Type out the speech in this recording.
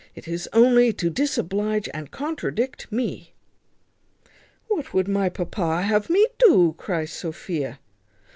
It is only to disoblige and contradict me." "What would my papa have me do?" cries Sophia.